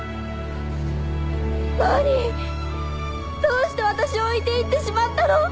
どうして私を置いて行ってしまったの？